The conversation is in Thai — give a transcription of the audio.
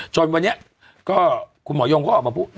จนวันนี้ก็คุณหมอยงก็ออกมาบอกว่า